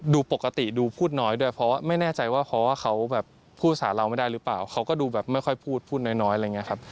ดูปกติดูพูดน้อยด้วยเพราะว่าไม่แน่ใจว่าเพราะว่าเขาแบบพูดภาษาเราไม่ได้หรือเปล่าเขาก็ดูแบบไม่ค่อยพูดพูดน้อยอะไรอย่างนี้ครับ